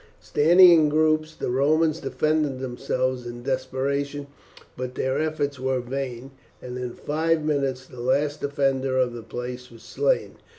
Standing in groups the Romans defended themselves in desperation; but their efforts were vain, and in five minutes the last defender of the place was slain.